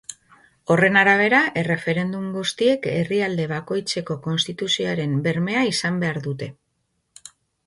Horren arabera, erreferendum guztiek herrialde bakoitzeko konstituzioaren bermea izan behar dute.